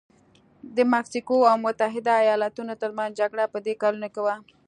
د مکسیکو او متحده ایالتونو ترمنځ جګړه په دې کلونو کې وه.